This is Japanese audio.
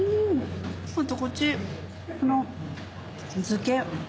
こっちこの漬け。